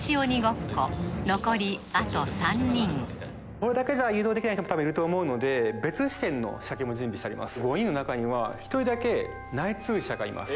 これだけじゃ誘導できない人もたぶんいると思うので別視点の仕掛けも準備してあります